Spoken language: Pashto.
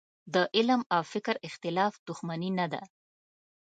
د علم او فکر اختلاف دوښمني نه ده.